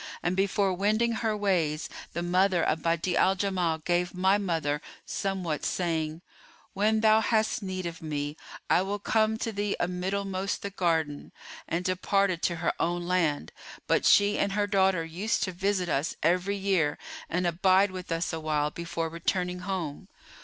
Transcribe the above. And before wending her ways the mother of Badi'a al Jamal gave my mother somewhat,[FN#422] saying, 'When thou hast need of me, I will come to thee a middlemost the garden,' and departed to her own land; but she and her daughter used to visit us every year and abide with us awhile before returning home.